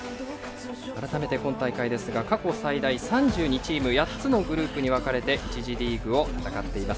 改めて、今大会３２チーム８つのグループに分かれて１次リーグを戦っています。